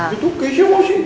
itu keisha mau sih